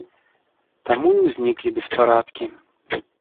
Таму і ўзніклі беспарадкі.